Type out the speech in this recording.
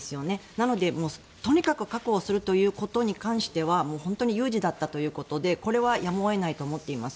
なので、とにかく確保するということに関しては本当に有事だったということでこれはやむを得ないと思っています。